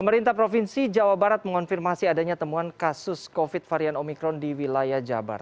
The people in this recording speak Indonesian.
pemerintah provinsi jawa barat mengonfirmasi adanya temuan kasus covid varian omikron di wilayah jabar